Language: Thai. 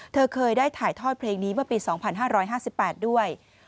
เธอเคยได้ถ่ายทอดเพลงนี้เมื่อปี๒๕๕๘ด้วย